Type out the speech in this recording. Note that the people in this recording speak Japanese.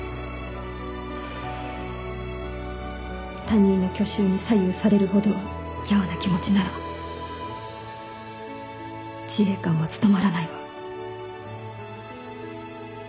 他人の去就に左右されるほどやわな気持ちなら自衛官は務まらないわ。